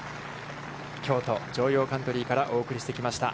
京都城陽カントリーからお送りしてきました。